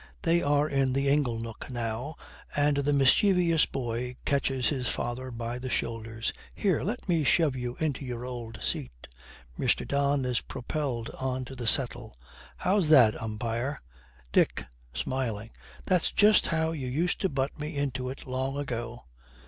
They are in the ingle nook now, and the mischievous boy catches his father by the shoulders. 'Here, let me shove you into your old seat.' Mr. Don is propelled on to the settle. 'How's that, umpire!' 'Dick,' smiling, 'that's just how you used to butt me into it long ago!'